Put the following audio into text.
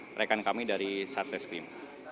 perbaikan kami dari satreskrim